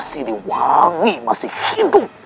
siliwangi masih hidup